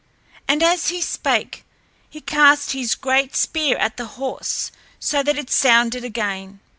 And as he spake he cast his great spear at the horse, so that it sounded again.